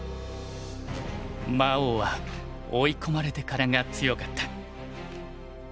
魔王は追い込まれてからが強かった。